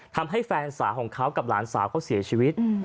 แฟนสาวของเขากับหลานสาวเขาเสียชีวิต